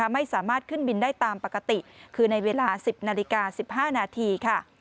ไม่สามารถขึ้นบินได้ตามปกติคือในเวลา๑๐นาฬิกา๑๕นาทีค่ะ